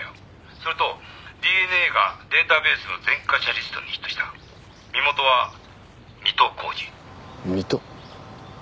それとＤＮＡがデータベースの前科者リストにヒットした身元は水戸浩司水戸